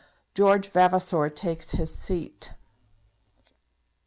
George Vavasor Takes His Seat.